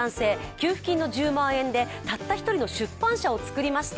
給付金の１０万円で、たった一人の出版社を作りました。